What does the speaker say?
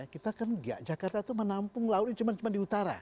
kita kan enggak jakarta itu menampung lautnya cuman cuman di utara